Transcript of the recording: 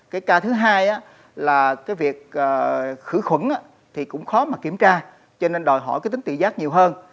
cái ca thứ hai là cái việc khử khuẩn thì cũng khó mà kiểm tra cho nên đòi hỏi cái tính tự giác nhiều hơn